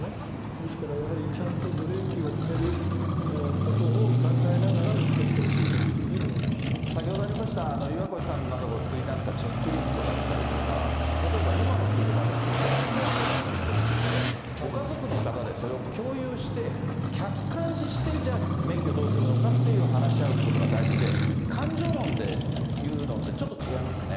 ですからやはり、ちゃんとブレーキを踏めることを考えながら運転先ほどありました、岩越さんなどがお作りになりましたチェックリストだったりとか、例えば、今の車だとドライブレコーダーがついてるんで、ご家族の方でそれを共有して、客観視して、じゃあ、免許どうするのかって話し合うことが大事で、感情論で言うのってちょっと違いますね。